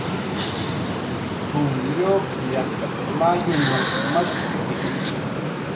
"K""uw lluqllaq mayunw mashqki"